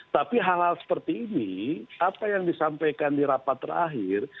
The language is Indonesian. tapi hal hal seperti ini apa yang disampaikan di rapat terakhir